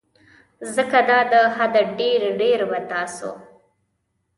ځکه دا د حده ډیر ډیر به تاسو